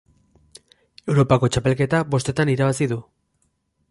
Europako Txapelketa bostetan irabazi du.